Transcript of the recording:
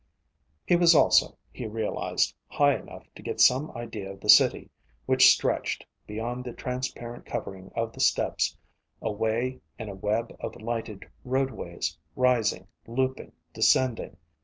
He was also, he realized, high enough to get some idea of the city, which stretched, beyond the transparent covering of the steps, away in a web of lighted roadways, rising, looping, descending.